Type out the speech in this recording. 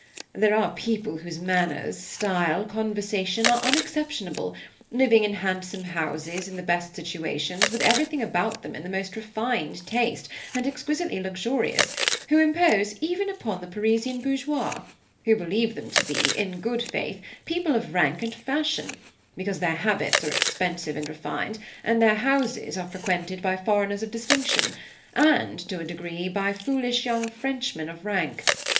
There are people whose manners, style, conversation, are unexceptionable, living in handsome houses in the best situations, with everything about them in the most refined taste, and exquisitely luxurious, who impose even upon the Parisian bourgeois, who believe them to be, in good faith, people of rank and fashion, because their habits are expensive and refined, and their houses are frequented by foreigners of distinction, and, to a degree, by foolish young Frenchmen of rank.